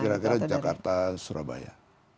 kira kira jakarta surabaya